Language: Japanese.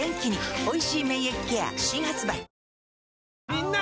みんな！